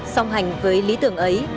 song hành với lý tưởng ấy